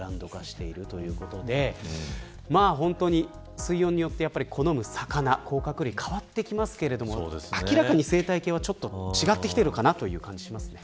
水温によって好む魚甲殻類、変わってきますけど明らかに生態系は違ってきているという感じがします。